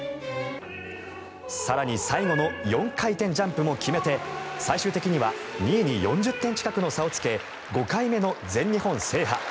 更に最後の４回転ジャンプも決めて最終的には２位に４０点近くの差をつけ５回目の全日本制覇。